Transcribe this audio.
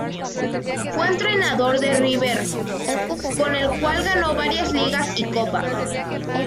Fue entrenador de River, con el cual ganó varias ligas y copas.